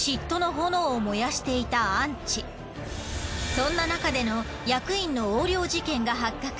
そんな中での役員の横領事件が発覚。